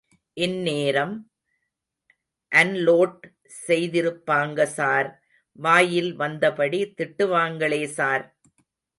இந்நேரம்... அன்லோட் செய்திருப்பாங்க ஸார்... வாயில் வந்தபடி திட்டுவாங்களே ஸார்.